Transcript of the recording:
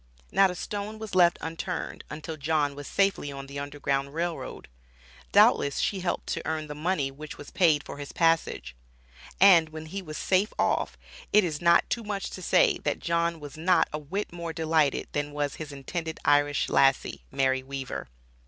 Not a stone was left unturned until John was safely on the Underground Rail Road. Doubtless she helped to earn the money which was paid for his passage. And when he was safe off, it is not too much to say, that John was not a whit more delighted than was his intended Irish lassie, Mary Weaver.